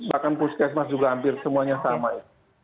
bahkan puskesmas juga hampir semuanya sama ya